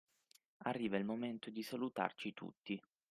Arriva il momento di salutarci tutti.